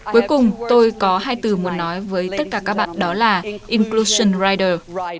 cuối cùng tôi có hai từ muốn nói với tất cả các bạn đó là inclution rider